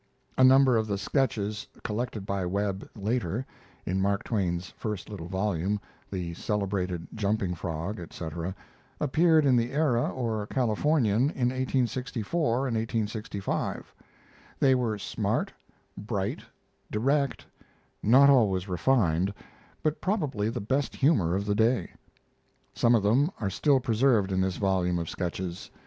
A number of the sketches collected by Webb later, in Mark Twain's first little volume, the Celebrated Jumping Frog, Etc., appeared in the Era or Californian in 1864 and 1865. They were smart, bright, direct, not always refined, but probably the best humor of the day. Some of them are still preserved in this volume of sketches.